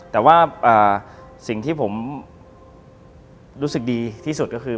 แต่ว่าสิ่งที่ผมรู้สึกดีที่สุดก็คือ